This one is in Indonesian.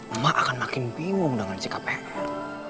emak akan makin bingung dengan sikap evel